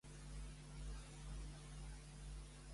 I això què diu que anuncia?